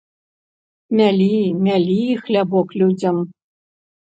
Мялі, мялі хлябок людзям!